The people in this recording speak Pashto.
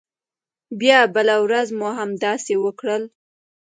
بیا بله ورځ مو هم همداسې وکړل.